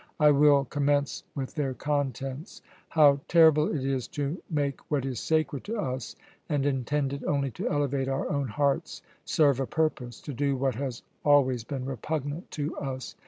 I will commence with their contents. How terrible it is to make what is sacred to us and intended only to elevate our own hearts serve a purpose, to do what has always been repugnant to us!